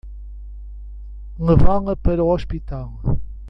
Levá-la para o hospital.